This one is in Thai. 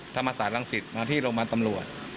ธรรมสาธารณสิทธิ์มาที่โรงพยาบาลตำรวจ